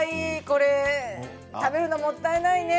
これ、食べるのもったいないね。